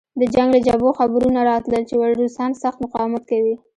د جنګ له جبهو خبرونه راتلل چې روسان سخت مقاومت کوي